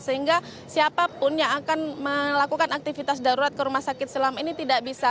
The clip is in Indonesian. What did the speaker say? sehingga siapapun yang akan melakukan aktivitas darurat ke rumah sakit silam ini tidak bisa